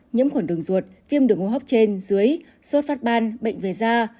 nhiễm khuẩn đường ruột viêm đường hô hấp trên dưới sốt phát ban bệnh về da